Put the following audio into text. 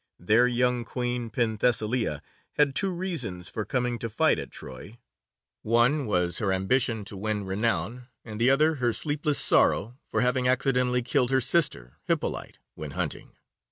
Their young Queen, Penthesilea, had two reasons for coming to fight at Troy: one was her ambition to win renown, and the other her sleepless sorrow for having accidentally killed her sister, Hippolyte, when hunting.